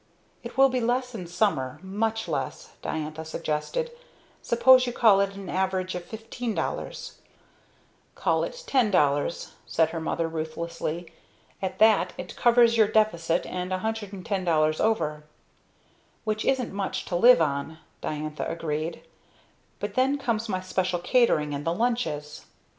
"It will be less in summer much less," Diantha suggested. "Suppose you call it an average of $15.00." "Call it $10.00," said her mother ruthlessly. "At that it covers your deficit and $110 over." "Which isn't much to live on," Diantha agreed, "but then comes my special catering, and the lunches."